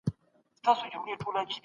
ځان پیژندنه تر ټولو سخت کار دی.